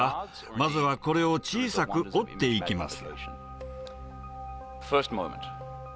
まずはこれを小さく折っていきます。